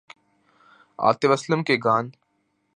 عاطف اسلم کے گان